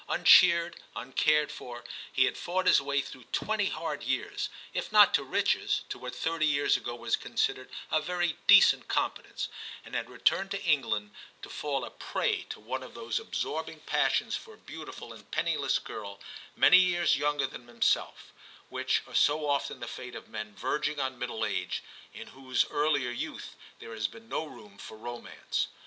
Uncheered, uncared for, he had fought his way through twenty hard years, if not to riches, to what thirty years ago was considered a very decent competence, and had returned to England to fall a prey to IX TIM 193 one of those absorbing passions for a beautiful and penniless girl many years younger than himself, which are so often the fate of men verging on middle age, in whose earlier youth there has been no room for romance.